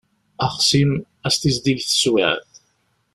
Axṣim ad s-d-tizdig teswiεt.